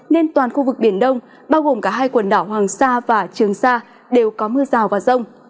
nên toàn khu vực biển đông bao gồm cả hai quần đảo hoàng sa và trường sa đều có mưa rào và rông